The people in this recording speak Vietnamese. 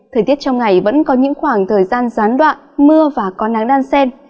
thời tiết trong ngày vẫn có những khoảng thời gian gián đoạn mưa và có nắng đan sen